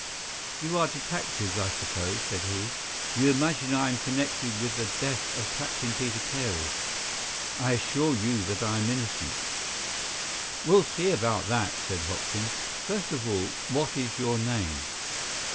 "You are detectives, I suppose?" said he. "You imagine I am connected with the death of Captain Peter Carey. I assure you that I am innocent." "We'll see about that," said Hopkins. "First of all, what is your name?"